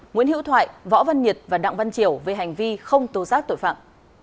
nguyễn hữu thoại võ văn nhiệt và đặng văn triểu về hành vi không tố giác tội phạm